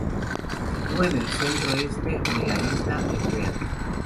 Se sitúa en el centro-este de la isla de Eubea.